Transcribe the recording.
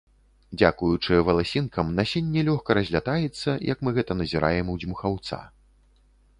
Дзякуючы валасінкам насенне лёгка разлятаецца, як мы гэта назіраем у дзьмухаўца.